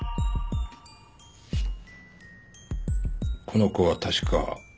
この子は確か。